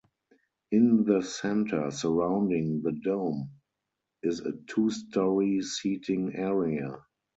In the center, surrounding the dome, is a two-story seating area.